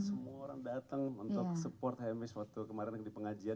semua orang datang untuk support hamish waktu kemarin di pengajian